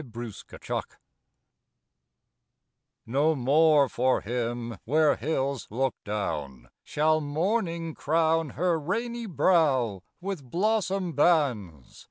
REQUIEM I No more for him, where hills look down, Shall Morning crown Her rainy brow with blossom bands!